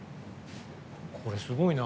これ、すごいな。